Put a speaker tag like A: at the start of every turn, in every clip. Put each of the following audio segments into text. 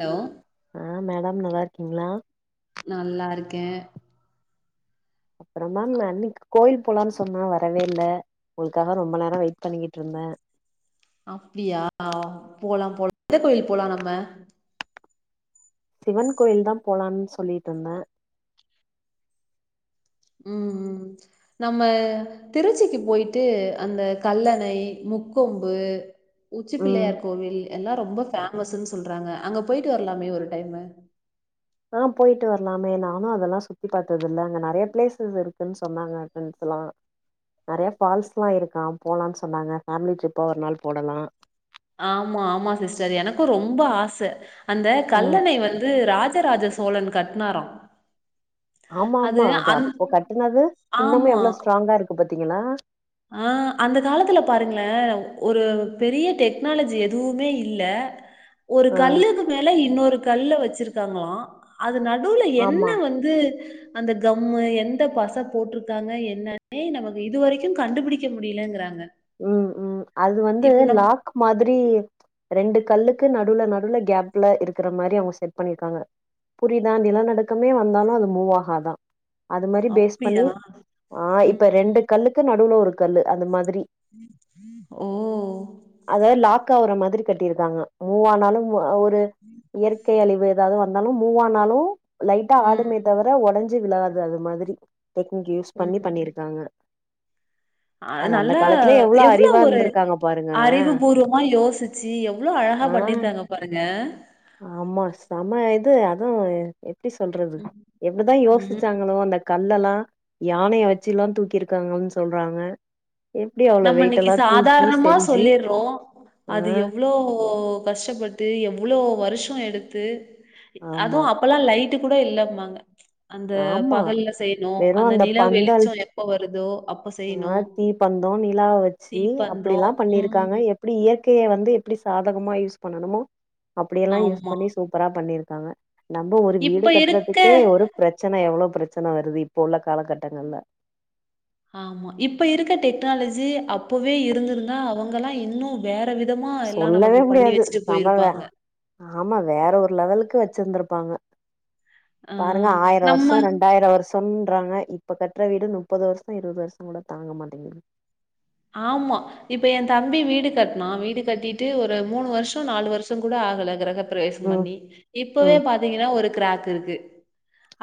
A: Hello
B: ஆ madam நல்லா இருக்கீங்களா
A: நல்லா இருக்கேன்
B: அப்புறமா அன்னைக்கு கோயில் போலான்னு சொன்னா வரவே இல்ல உங்களுக்காக ரொம்ப நேரம் வெயிட் பண்ணிக்கிட்டு இருந்தேன்
A: அப்டியா போலாம் போலாம் எந்த கோயில் போலாம் நம்ம
B: சிவன் கோயில் தான் போலான்னு சொல்லிட்டு இருந்தேன்
A: ம்ம் நம்ம திருச்சிக்கு போயிட்டு அந்த கல்லணை முக்கொம்பு
B: ம்
A: உச்சிப்பிள்ளையார் கோவில் எல்லாம் ரொம்ப ஃபேம மஸ்ன்னு சொல்றாங்க அங்க போயிட்டு வரலாமே ஒரு டைமு
B: ஆஹ் போயிட்டு வரலாமே நானும் அதெல்லாம் சுத்தி பார்த்தது இல்ல அங்க நிறைய பிளேசஸ் இருக்குன்னு சொன்னாங்க ஃப்ரெண்ட்ஸ் எல்லாம் நிறைய ஃபால்ஸ் எல்லாம் இருக்கான் போலாம்னு சொன்னாங்க ஃபேமிலி ட்ரிப்பா ஒரு நாள் போடலாம்
A: ஆமா ஆமா சிஸ்டர் எனக்கும் ரொம்ப ஆசை அந்த
B: ம்
A: கல்லனை வந்து ராஜ ராஜராஜ சோழன் கட்டினாரம்
B: ஆமா ஆமா அது அப்போ கட்டினது இன்னமே எவ்வளவு ஸ்ட்ராங்கா இருக்கு பத்தி ங்களா
A: ஆஹ் அந்த காலத்துல பாருங்களேன் ஒரு பெரிய டெக்னாலஜி எதுவுமே இல்ல ஒரு
B: ஆ
A: கல்லுக்கு மேல இன்னொரு கல் வச்சிருக்காங்களாம் அது அது நடுவுல என்ன
B: ஆமா
A: வந்து அந்த கம் எந்த பச போட்டிருக்காங்க என்னன்னே நமக்கு இதுவரைக்கும் கண்டுபிடிக்க முடியலங்கிறாங்க
B: உம் உம் அது வந்து
A: இப்ப நம்
B: லாக் மாதிரி ரெண்டு கல்லுக்கு நடுல நடுல கேப்ல இருக்கிற மாதிரி அவங்க செட் பண்ணிருக்காங்க புரிதா நிலநடுக்கமே வந்தாலும் அது மூவ் ஆகாதா அது மாதிரி பேஸ்
A: அப்டியா?
B: பண்ணி ஆஹ்
A: ம்,
B: இப்ப ரெண்டு கல்லுக்கு நடுவுல இருக்கு கல் அந்த மாதிரி
A: ஒ
B: அதாவது லாக் ஆவுற கட்டியிருக்காங்க மூவா நாளும் ஒரு இயற்கை அழிவு ஏதாவது இருந்தாலும் மூவனாலும் லைட்டா
A: ம்,
B: ஆடுமே தவிர உடஞ்சு விலாது அது மாதிரி டெக்னிக் யூஸ் பண்ணி பண்ணிருக்காங்க
A: அது
B: அந்த
A: நல்ல
B: காலத்துல எவ்ளோ
A: எவ்வளோ
B: அறிவா
A: ஒரு
B: இருந்திருக்காங்க பாருங்களே
A: அறிவுபூர்வமா யோசிச்சு எவ்வளோ அழகா
B: ஆ
A: பண்ணிருக்காங்க பாருங்க
B: அதுவும் எப்டி சொல்றது
A: ம்,
B: எப்டி தா
A: ம்.
B: யோசிச்சாங்களோ அந்தக் கல்லெல்லாம் யானைய வச்சுல்லா தூக்கிருக்காங்கன்னு சொல்றாங்க எப்டி அவ்ளோ
A: நம்ம
B: வெயிட்
A: இன்னிக்கு
B: எல்லா தூக்கி
A: சாதாரணமா
B: செஞ்சு
A: சொல்லிடுறோம்
B: ஆ
A: அது எவ்ளோ கஷ்டப்பட்டு எவ்ளோ ‌வருஷோ எடுத்து
B: ஆமா
A: அதுவும் அப்பல்லா லைட்டு கூட இல்லமாங்க அந்த
B: ஆமா
A: பகல்ல செய்யணும்
B: வெறு
A: அந்த நிலா
B: பந்தல்
A: வெளிச்சோ எப்ப வருதோ அப்ப செய்யணும்
B: ல்லா வெச்சு அப்டில்லா
A: தீப்பந்தம்.
B: பண்ணிருக்காங்க
A: ம்.
B: எப்டி இயற்கைய வந்து எப்டி சாதகமா யூஸ் பண்ணணுமோ அப்டியெல்லா யூஸ்
A: ஆமா.
B: பண்ணி சூப்பரா பண்ணிரு தவ நம்ம ஒரு
A: இப்ப
B: வீடு
A: இருக்க
B: கட்டுறதுக்கே ஒரு எவ்ளோ பிரச்சன வருது இப்போ உள்ள காலகட்டங்கள்ல
A: ஆமா இப்ப இருக்க டெக்னாலஜி அப்பவே இருந்துருந்தா அவுங்கெல்லா இன்னு வேற விதமா எல்லாம்
B: சொல்லவே
A: நமக்கு பண்ணி
B: முடியாது
A: வச்சுட்டு
B: செம
A: போயிருப்பாங்க.
B: ஆமா வேற ஒரு லெவலுக்கு வெ ச்சிருந்திருப்பாங்க
A: ஆ
B: பாருங்க ஆயிரோ
A: நம்ம
B: வருஷோ ரெண்டாயிரோ வருஷம் ன்றாங்க இப்பக் கற்ற வீடு முப்பது வருஷோ இருவது வருஷோங் கூட தாங்க மாட்டேங்குது
A: ஆமா இப்ப என் தம்பி வீடு கட்னா வீடு கட்டிட்டு ஒரு மூணு வருஷோ நாலு வருஷோங் கூட ஆகல கிரக பிரவேசம்
B: ம்
A: பண்ணி இப்பவே
B: ம்
A: பாத்தீங்கனா ஒரு கிராக் இருக்கு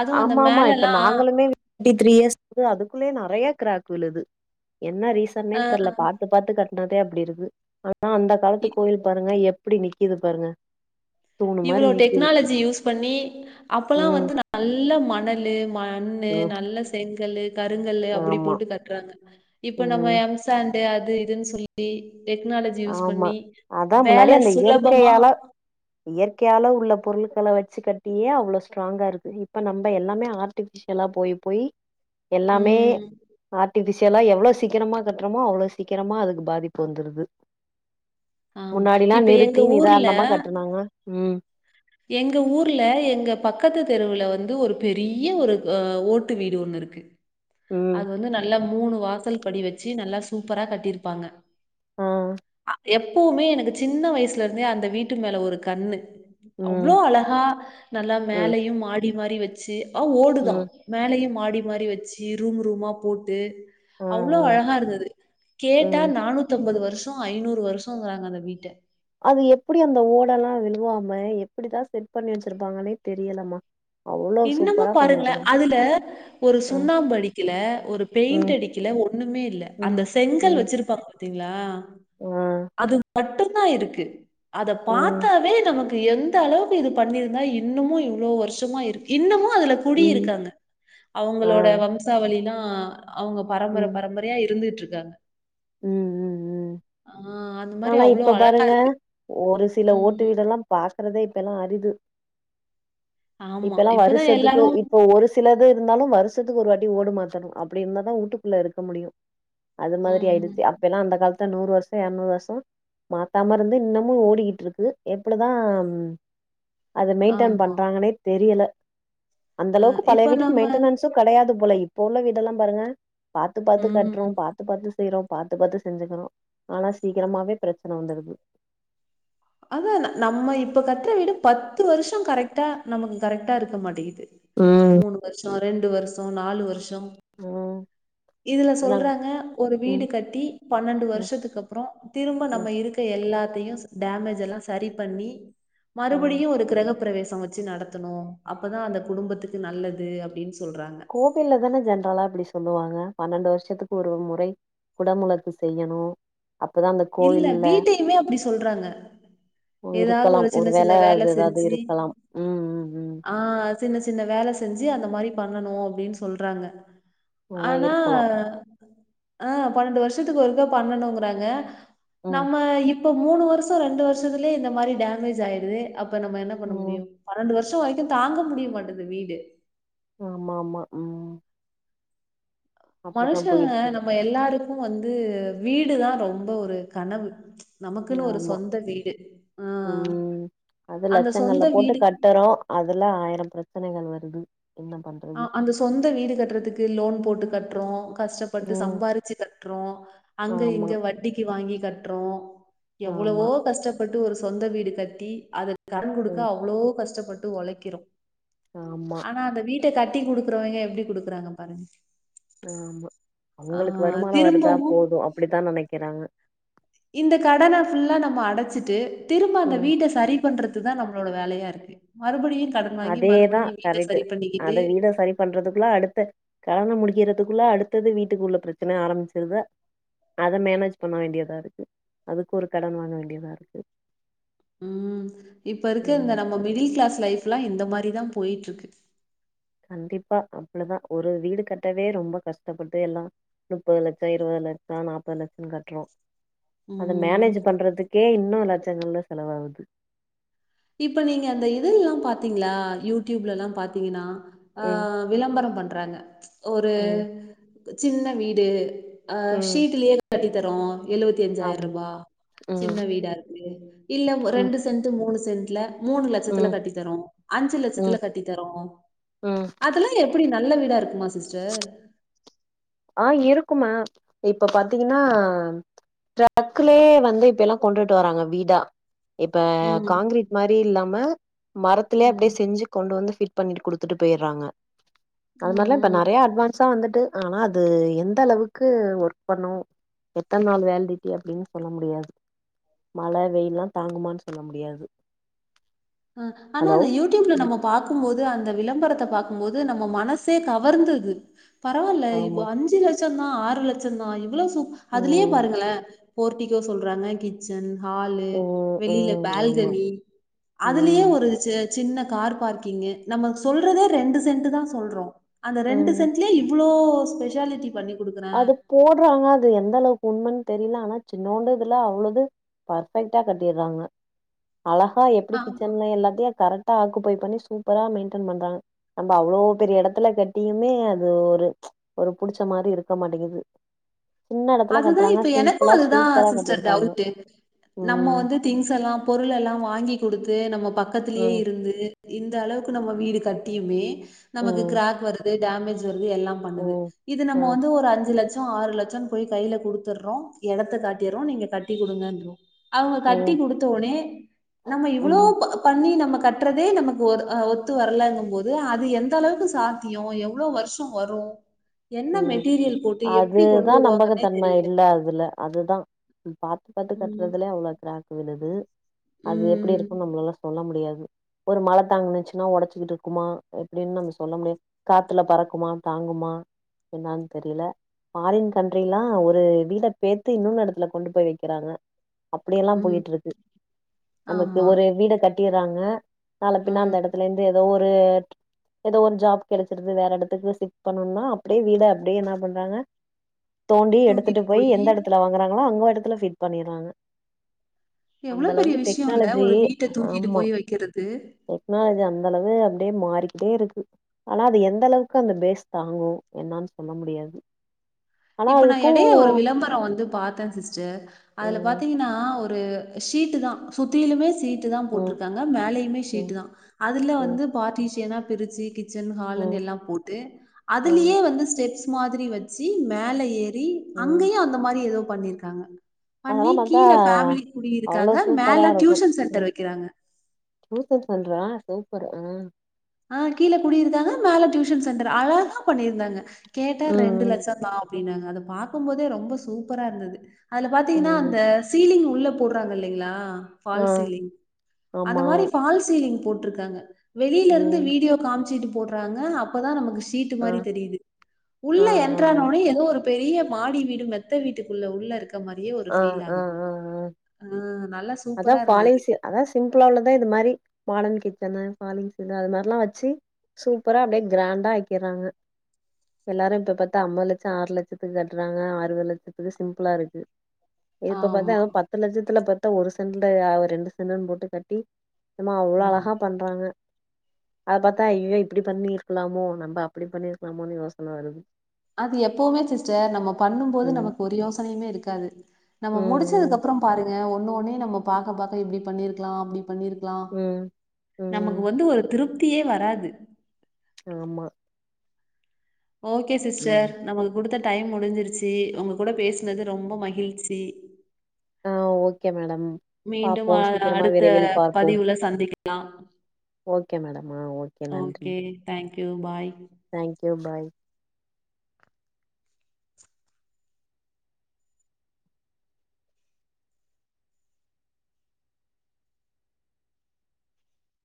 A: அதுவும் அந்த
B: ஆமா ஆமா இப்ப
A: மேலலாம்
B: நாங்களுமே் த்ரீ இயர்ஸ் அதுக்குள்ளயே நெறயா கிராக் விலுது என்ன ரீசன்னே
A: ஆ
B: தெரில ‌பாத்து பாத்து கட் ன்றதே அப்டி இருக்கு அந்தக் காலத்து
A: இ
B: கோயில் பாருங்க எப் எப்டி நிக்கிது பாருங்க தூணு மாரி
A: இவ்ளோ
B: நிக்கிது
A: டெக்னாலஜி யூஸ் பண்ணி அப்பெல்லா
B: ம்
A: வந்து நல்ல நல்ல மணலு மண்ணு
B: ம்
A: நல்ல செங் கல்லு கருங்கல் அப்படி
B: ஆமா
A: போட்டு கட்டுறாங்க இப்ப நம்ம
B: ம்
A: எம்சான்ட் டு அது இதுனு சொல்லி டெக்னாலஜி யூஸ்
B: ஆமா
A: பண்ணி
B: அதா முன்னாடி
A: வேல சுலபமா
B: கையால உள்ள பொருள்கள வெச்சு கட்டியே அவ்ளோ ஸ்ட்ராங்கா இருக்கு இப்போ நம்ம எல்லாமே ஆர்டிஃபிஷியல போய் போய் எல்லாமே
A: ம்
B: ஆர்டிஃபிசியல் எல்லா எவ்ளவு சீக்கிரமா கட்டுறமோ அவ்வளோ சீக்கிரமா அதுக்கு பாதிப்பு வந்துருது
A: ஆமா
B: முன்னாடியெல்லா
A: இப்ப எங்க
B: நிறுத்தி
A: ஊர்ல
B: நிதானமா கட்டுனாங்க உம்
A: எங்க ஊர்ல எங்க பக்கத்து தெருவுல வந்து ஒரு பெரிய ஒரு அஹ ஓட்டு வீடு ஒண்ணு இருக்கு
B: ம்
A: அது வந்து நல்ல மூணு வாசல் படி வேச்சு நல்லா சூப்பரா கட்டிருப்பாங்க
B: ஹம்
A: எப்பவுமே எனக்கு சின்ன வயசுல இருந்தே அந்த வீட்டு மேல ஒரு கண்ணு
B: ம்
A: அவ்ளோ அழகா நல்லா
B: ம்
A: மேலையும் மாடி அது மாரி வச்சு ஓடுதா
B: ம்
A: மேலையும் மாடி டி மாரி வச்சு இரூம் ரூமா போட்டு
B: ஆ ஆ
A: அவ்ளோ அழகா இருந்தது கேட்டா
B: ம்
A: நானூத்தம்பது வருஷம் ஐநூறு வருஷங்கறாங்க அந்த வீட்ட
B: அது எப்படி அந்த ஓடல்லாம் விழுவாம எப்படிதா செட் பண்ணி வச்சிருப்பாங்கன்னே தெரியலமா அவ்ளோ
A: இன்னமு
B: சூப்பரா பண்ணி
A: பாருங்கள
B: வச்சிருங்க
A: அதுல ஒரு
B: ஆ
A: சுண்ணாம்பு அடிக்கல ஒரு பெயிண்ட்
B: ம்
A: அடிக்கல ஒண்ணுமே இல்ல அந்த
B: ம்
A: செங்கல்
B: ம்
A: வச்சிருப்பாங்க பாத்திங்களா
B: ஆ
A: அது பட்டு தா இருக்கு அத
B: ம்
A: பார்த்தாவே நமக்கு எந்த அளவுக்கு இது பண்ணிருந்தா இன்னுமும் இவ்ளோவ வருஷமா இருக்கு இன்னுமும் அதுல
B: ம்
A: குடியிருக்காங்க
B: ஆ
A: அவங்களோட வம்சாவளிதா ஆ அவங்க பரம்பரை பரம்பரையா இருந்துட்ரு க
B: உம் உம் உம்
A: அந்த மாரி
B: ஆனா
A: அவ்ளோ
B: இப்ப
A: அழகா
B: பாருங்க
A: இருக்கு.
B: ஒரு சில ஓட்டு
A: ம்.
B: வீடல்லாம் பாக் க்கறதே இப்பல்லாம் அறிது
A: ஆமா.
B: இப்பல்லாம்
A: இப்பதான்
B: வருசத்துக்கு
A: எல்லாரும்
B: இப்போ ஒரு சிலது இருந்தாலும் வருஷத்துக்கு ஒரு வாட்டி ஓடு மாத்தணும் அப்படி இருந்தாதா ஊட்டுக்குள்ள இருக்க முடியும் அது
A: ம், ம்.
B: மாதிரியிடுச்சுப்ப எல்லாம் அந்த காலத்து நூறு வருஷம் இருநூறு வருஷம் மாத்தா இருந்து இன்னமும் ஓடிக்கிட்டு இருக்கு எப்படிதா அது மெயின்டென்
A: ஆமா.
B: பண்றாங்கன்னே தெரியல அந்த
A: அ
B: அளவுக்கு பழைய
A: இப்ப
B: வீட்டுக்கு
A: நம்ம
B: மெயின்டனன்ஸ்ம் கிடையாது போல இப்ப உள்ள வீடெல்லாம் பாருங்க பார்த்து பார்த்து
A: ம்.
B: கற்றோம் பார்த்து பார்த்து செய்கிறோம் பாத்து பார்த்து செஞ்சுக்கிறோம் ஆனா ச சிக்கிரமாவே பிரச்சனை வந்துடுது
A: அதான் நம்ம இப்ப கத்துற வீட பத்து வருஷம் கரெக்டா நமக்கு கரெக்டா இருக்க மாட்டேங்குது
B: ம்
A: மூணு வருஷோ ரெண்டு வருஷம் நாலு வருஷ ம்
B: ம்
A: இதுல
B: நாங்க
A: சொல்றாங்க ஒரு வீடு
B: ம்
A: கட்டி பன்னெண்டு
B: ம்
A: வருஷத்துக்கு அப்புறம் திரும்ப
B: ம்
A: நம்ம இருக்க எல்லா த்தையும் டேமேஜ் எல்லாம் சரி பண்ணி
B: ம்
A: மறுபடியும் ஒரு கிரக பிரவேச வச்சு நடத்தணும் அப்பதான் அந்த குடும்பத்துக்கு நல்லது அப்படின்னு சொ
B: கோவில்ல தானே ஜென்ரலா அப்படி சொல்லுவாங் க பன்னெண்டு வருஷத்துக்கு ஒரு முறை குடமுளக்கு செய்யணும்
A: இல்ல வீட்டையுமே அப்படி சொல்றாங்க ஏதாவது
B: இருக்கலாம்
A: ஒரு சின்ன
B: வேள
A: சின்ன வேலை
B: அது ஏதாவது
A: செஞ்சு
B: இருக்கலாம் ம் ம் ம்
A: ஆஹ் சின்ன சின்ன வேலை செஞ்சு அந்த மாரி பண்ணணும் அப்படின்னு சொல்றாங்க
B: ஆ
A: ஆனா
B: இருக்கலா
A: ஆஹ் பன்னெண்டு வருஷத்துக்கு வருக்கா பண்ணணுங்கறாங்க
B: ம்
A: நம்ம இப் இப்ப மூணு வருஷம் ரெண்டு வருஷத்துலே இந்த மாதிரி டேமேஜ் ஆயிடுது அப் ப நம்ம என்ன பண்ண
B: ம்
A: முடியும் பன்னெண்டு வருஷ் ஷம் வரைக்கும் தாங்க முடிய மாட்டது வீடு
B: ஆமா ஆமா உம்
A: மனுஷன்க
B: இருக்கு
A: நம்ம எல்லாருக் கும் வந்து வீடுதான் ரொம்ப ஒரு கனவு நமக்குன்னு ஒரு
B: ஆமா
A: சொந்த வீடு ஆ
B: உம் அது
A: அந்த சொந்த
B: லட்சங்கல்லா போட்டு
A: வீடு
B: கட்டுறோம் அதுல ஆயிரம் பிரச்சனைகள் வரு து
A: அஹ் அந்த சொந்த வீடு கட்டுறதுக்கு லோன் போட்டு கட்டுறோம் கஷ்டப்பட்டு
B: ம்
A: சம்பாறிச்சு கட்டுறோம் அங்க
B: ஆமா
A: இங்க வட்டிக்கு வாங்கி கற்றோம்
B: ஆமா
A: எவ்வளவோ கஷ்டப்பட்டு ஒரு சொந்த வீடு கட்டி அதற் கடன் கொடுக்க
B: ம்
A: அவ்வளோ கஷ்டப்ப ட்டு உழைக்கிறோம்
B: ஆமா
A: ட்ட கட்டி குடுக்குறவங்க எப்படி குடுக்குறாங்க பாருங்க
B: ஆமா
A: ஆ
B: அவங்களுக்கு வருமானம் வருதா
A: திரும்பவு
B: போதும் அப்படித்தான் நினைக்கிறாங்க
A: இந்த கடன ஃபுல்லா நம்ம அடைச்சிட்டு திரும்ப அந்த
B: ம்
A: வீட்ட சரி பண்றது தா நம்மளோட வேலையா இருக்கு மறுபடியு கடன் வாங்கி
B: அதேதா
A: மறுபடியு வீட்ட
B: கரெக்ட்டு
A: சரி பண்ணிக்கிட்டு
B: அத வீட சரி பண்றதுக்குள்ளா அடுத்த கடன முடிச் க்கிறதுக்குள்ள அடுத்தது வீட்டுக்குள்ள பிரச்சன ஆரம்பிச்சிருது அத மேனேஜ் பண்ண வேண்டியதா இருக்கு அதுக்கு ஒரு கடன் வாங்க வேண்டியதா இருக்கு
A: ம் இப்ப இருக்க இந்த
B: ம்
A: நம்ம மிடில் கிளாஸ் லைஃப் எல்லா இந்த அந் மாரிதா போயாட்டுருக்கு
B: கண்டிப்பா அவ்ளோ தா ஒரு வீடு கட்டவே ரொம்ப கஷ்டப்பட்டு எல்லா நுப்பது லட்சோ இருவது லட்சோ நாப்பது லட்சோ கட்றோ அத
A: ம்
B: மேனேஜ் பண்றதுக்கே இன்னு லச் செங்கல செலவாவுது
A: இப்ப நீங்க அந்த இத எல்லா பாத்தீங்களா யூடியூப்ல எல்லா பாத்தீங்கனா ஆ
B: ம்
A: விளம்பர பண் றாங்க ஒரு
B: ம்
A: சின்ன வீடு அ
B: ம்
A: ஷீட்டுலயே கட்டி தரோ எழுவத்தி அஞ்சாயிர்
B: ஆமா
A: ரூபா சின்ன
B: ம்
A: வீடா இருக்கு இல்ல
B: ம்
A: ரெண்டு சென்ட் மூணு சென்ட் இல மூணு லட்சத்துல
B: ம்
A: கட்டி தரோ அஞ்சு லட்சத்துல
B: ம்
A: கட்டித்தரோ
B: ம்
A: அதெல்லா எப்டி நல்ல வீடா இருக்குமா சிஸ்டர்
B: ஆ இருக்குமா இப்ப பாத்தீங்கனா டிரக்குலயே வந்து இப்பெல்லா கொண்டுட்டு வராங்க வீடா இப்ப
A: ம்.
B: காங்க்ரீட் மாரி இல்லாம மரத்திலயே அப்படியே
A: ம்.
B: செஞ்சி கொண்டு வந்து பண்ணிட்டு குடுத்துட்டு போய்றாங்க அது
A: ம்.
B: மாரிலா இப்ப
A: ம்
B: நெறியா அட்வான்ஸா வந்துட்டு ஆனா அது அது எந்த அளவுக்கு ஒர்க் பண்ணு எத்தன நாள் வேல்டிட்டி அப்டின்னு சொல்ல முடியாது மழ வெயில்லா தாங்குமான்னு சொல்ல முடியாது
A: அ ஆனா
B: ஹலோ
A: அந்த யூடியூப்ல
B: ம்
A: நம்ம பாக்குபோது அந்த விளா விளம்பரத்த பாக்குபோது நம்ம மனசே கவர்ந்துது பரவால்ல இப்போ
B: ஆமா
A: அஞ்சு லட்ச லட்சந்தா ஆறு லட்சந்தா இவ்ளோ சு அதுலேயே
B: ம்
A: பாருங்களே போர்டிக்கோ சொல்றாங்க கிச்சன் ஹாலு
B: ம்
A: வெளில
B: ம் ஆமா
A: பால்கனி அதுலயே
B: ம்
A: ஒரு ச சின்ன கார் பார்க்கிங்கு நம்ம சொல்றதே ரெண்டு சென்ட் தா சொல்றோ அந்த ரெண்டு
B: ம்
A: சென்ட்லயே இவ்ளோ ஸ்பெஷாலிட்டி பண்ணி குடுக்குறேன்.
B: அது போடுறாங்க அது எந்தளவுக்கு உண்மன் தெரில ஆனா சின்னோண்டு இதுல அவ்ளோஇது பர்ஃபெக்ட்டா கட்டிறாங்க அழகா எப்டி
A: ஆமா.
B: கிச்சன்ல எல்லாத்தயு கரெக்ட் டா ஆக்குபை பண்ணி சூப்பரா மெயின்டன் பண்றாங்க நம்ப அவ்ளோ பெரிய எடத்துல கட்டியுமே அது ஒரு ச் ஒரு புடிச்ச மாரி இருக் ருக்க மாட்டிங்குது
A: அதுதான் இப்ப எனக்கும் அதுதான்
B: சூப்பரா
A: சிஸ்டர்
B: கட்டிருக்காங்க
A: டவுட் நம்ம
B: ம்
A: வந்து திங்ஸ் எல்லாம் பொருள் எல்லாம் வாங்கி குடுத்து து நம்ம பக்கத்துலேயே
B: ம்
A: இருந்து இந்த அளவுக்கு நம்ம வீடு கட்டியுமே நமக்கு
B: ம்
A: கிராக் வருது டாமேஜ் வருது எல்லாம் பண்ணுது
B: ம்
A: இது நம்ம
B: ம்
A: வந்து ஒரு அஞ்சு லட்ச சோ ஆறு லட்சன் போய் கைல குடுத்தற்றோ எடத்த காட்டியறோ நீங்க கட் ட்டி குடுங்கன்றோ அவங்க கட்டி
B: ம்
A: குடுத்தோனே நம்ம இவ்ளோ
B: ம்
A: ப பண்ணி நம்ம கட்டுறதே நமக்கு ஒரு ஒத்து வரலங்கபோது அது எந்தளவுக்கு சாத்தியோ எவ்ளோ வருஷோ வரு என்ன மெட்டீரியல் போட்டு எப்டி கொண்டு வருவா
B: தன்ம இல்ல அதுல அதுதான் பாத்து பாத்து
A: ம்
B: கட்டுறதுலே அவ்ளோ க்ராக் போய்டுது அது எப்டி
A: ம்
B: இருக்கும்னு நம்மலால்ல சொல்ல முடியாது ஒரு மழ தாங்கினுச்சுன்னா உடைச்சுக்கிட்டு இருக்குமா எப்டின்னு நம்ம சொல்ல முடியாது காற்றுல பறக்குமா தாங்குமா என்னானு தெரில ஃபாரின் கண்ட்ரி எல்லாம் ஒரு வீட பேத்து இன்னொன்னு இடத்துல கொண்டு போய் வைக்கிறாங்க அப்டியெல்லாம்
A: ம்
B: போயிட்டு இருக்கு நமக்கு
A: ஆமா
B: ஒரு வீட கட் கட்டிறாங்க நாள பின்ன
A: ம்.
B: அந்த இடத்துல இருந்து ஏதோ ஒரு [unintelligible] ஏதோ ஒரு ஜாப் கெடச்சிருது வேற இடத்துக்கு சிஃப்ட் பண்ணணுனா அப் அப்டியே வீட அப்டியே என்ன பண்றாங்க தோண்டி எடுத்துட்டு
A: தூக்கிட்டு
B: போய்
A: போயி
B: எந்த எடத்துல வாங்கறாங்களோ அங்க ல பீட் பண்ணிறாங்க அந்த
A: எவ்ளோ பெரிய
B: அளவுக்கு
A: விஷயம்ல,
B: டெக்னாலஜி
A: ஒரு வீட்ட தூக்கிட்டு
B: ஆமா
A: போய் வைக்கிறது.
B: டெக்னாலஜி அந்த அந்த அளவு அப்படியே மாறிக்கிட்டே இருக்கு ஆனா அது எந்த அளவுக்கு அந்த பேஸ் தாங்கும் என்னானு சொல்ல முடியாது ஆனா
A: இப்ப நான்
B: அதுக்கு
A: எடையே ஒரு விளம்பரம் வந்து பாத்தன் சிஸ்டர் அதுல
B: ம்
A: பாத்தீங்கன்னா ஒரு ஒரு ஷீட்டு தான் சுத்தீலுமே சீட் தான்
B: ம்
A: போட்டிருக்காங்க மேலையுமே சீட்டு
B: ம்
A: தான் அதுல
B: ம்
A: வந்து பார்ட்டிஸ்சனா திருச்சி கிச்சன் ஹால்
B: ம்
A: எல்லாம் போட்டு
B: ம்
A: அதுலயே வந்து ஸ்டெப்ஸ் மாதிரி வச்சு மேல ஏரி ரி
B: ம்
A: அங்கேயும் அந்த மாரி ஏதோ பண்ணிருக்காங்க பண்ணி
B: அதெல்லா பாத்தா
A: கீழ ஃபேமிலி குடி
B: அவ்ளோ
A: இருக்காங்க
B: சூப்பரா
A: மேல
B: இருக்கு
A: டியூஷன் சென்டர்
B: ம்
A: வைக்கிறாங்க
B: டியூசன் சென்டரா சூப்பர் ஆ
A: ஆ கீழ குடியிருந்தாங்க மேல டியூஷன் சென்டர் அழகா பண்ணிருந்தாங்க கேட்டா
B: ம்
A: ரெண்டு
B: ம்
A: லட்சம் தான் அப்டின்னாங்க அத பாக்கும்போதே ரொம்ப சூப்பரா இருந்தது அதுல பாத்தீங்கன்னா
B: ம்
A: அந்த சீலிங் உள்ள போடுறாங்க இல்லிங்களா
B: ஆ
A: ஃபால்சீலிங் அந்த
B: ஆமா
A: மாரி பால்சீலிங் போட்டு போட் இருக்காங்க வெளியிலிருந் ம் வீடியோ காமிட்சிட் போடறாங்க அப்பதா நமக்கு சீட்டு
B: ஆ
A: மாரி தெரியுது உள்ள
B: ஆ ஆ
A: என்ட்றாவுனே ஏதோ ஒரு பெரிய மாடி வீடும் மெத்த வீட்டுக்குள்ள உள்ள இருக்கு ந்த மாரியே ஒரு
B: ஆ
A: பீல் ஆகுது நம அ நல்ல
B: அதான பாலிசி அதா சிம்பிள உள்ளதா இந்த மாரி மாடர்ன் கிச்சன்னு பாலிங் சடு அது மாறி எல்லா வச்சு சூப்பரா அப்டியே கிராண்டா ஆக்கிறாங்க எல்லாரு இப்ப பாத்தா ஐம்பது லட்சம் ஆறு லட்சத்துக்கு கட்டுறாங்க அறுபது லட்சத்துக்கு சிம்பிளா இருக்கு இப்ப பாத்தா
A: ஆமா.
B: அதுவும் பத்து லட்சத்துல பத்து ட்ட ஒரு செண்டல அவ ரெண்டு செண்டுனு போட்டு கட்டி எமா அவ்ளோ
A: ம்.
B: அழகா பண்றாங்க அத பாத்தா ஐய்யயோ இப்டி பண்ணிருக்கலாமோ நம்ம அப்டி பண்ணிருக்கலாமோனு யோசன வருது
A: அது எப்பவுமே சிஸ்டர் நம்ம பண்ணும்போது
B: ம்
A: நமக்கு ஒரு யோசனையுமே இருக்காது நம்ம
B: ம்
A: முடிச்சதுக்குப்புறம் பாருங்க ஒரு பண்ணோன்னயே நம்ம பாக்க பாக்க இப்டி பண்ணிருக்கலா அப்டி பண்ணிருக்கலா
B: ம் ம் ம்
A: நமக்கு வந்து ஒரு திருப் புத்தியே வராது
B: ஆமா
A: ஓகே
B: ம்.
A: சிஸ்டர் நமக்கு குடுத்த டைம் முடிஞ்சிருச்சு உங்க கூட பேசினது ரொம்ப மகிழ்ச்சி
B: ஆஹ் ஓகே மேடம்
A: மீண்டும்
B: பாப்போ
A: அ
B: சீக்கிரமா
A: அடுத்த
B: விரைவில் பார்ப்போம்
A: பதிவுல சந்திக்கலாம்.
B: ஒகே மேடம் ஆ ஒகே நன்றி
A: okay, thank you. Bye.
B: Thank you bye